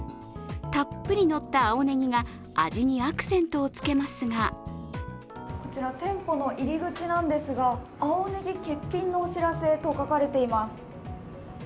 たっぷり載った青ねぎが味にアクセントをつけますがこちら店舗の入り口なんですが、青ねぎ欠品のお知らせと書かれています。